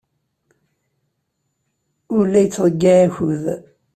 Ur la yettḍeyyiɛ akud.